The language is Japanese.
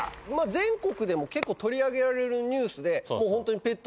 全国でも結構取り上げられるニュースでホントに。えっ！？